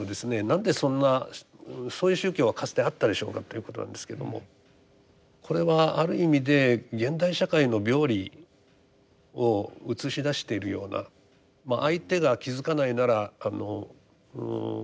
なんでそんなそういう宗教はかつてあったでしょうかということなんですけどもこれはある意味で現代社会の病理を映し出しているような相手が気付かないならあの